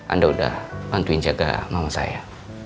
anda udah bantuin jaga mama saya